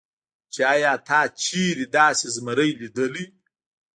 چې ايا تا چرته داسې زمرے ليدلے